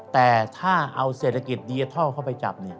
แต่ถ้าเอาเศรษฐกิจดิจิทัลเข้าไปจับ